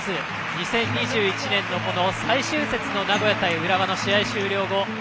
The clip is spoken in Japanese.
２０２１年の最終節の名古屋対浦和の試合終了後。